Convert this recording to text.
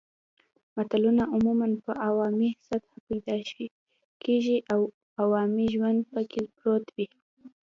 متلونه عموماً په عوامي سطحه پیدا کېږي او عوامي ژوند پکې پروت وي